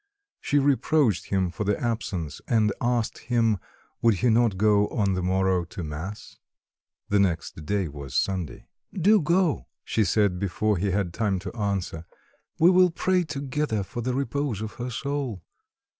She reproached him for his absence and asked him would he not go on the morrow to mass? (The next day was Sunday.) "Do go," she said before he had time to answer, "we will pray together for the repose of her soul."